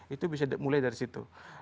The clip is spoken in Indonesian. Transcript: itu bisa mulai dari situ